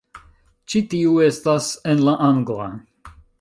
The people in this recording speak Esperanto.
Ĉi tiu estas en la angla